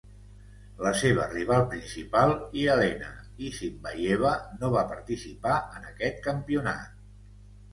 La seva rival principal, Yelena Isinbayeva, no va participar en aquest campionat.